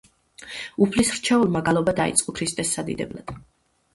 უფლის რჩეულმა გალობა დაიწყო ქრისტეს სადიდებლად.